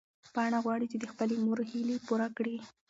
پاڼه غواړي چې د خپلې مور هیلې پوره کړي.